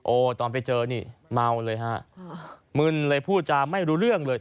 ตอนไปเจอนี่เมาเลยฮะมึนเลยพูดจาไม่รู้เรื่องเลย